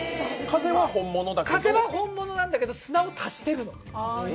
風は本物なんだけど、砂を足してるの。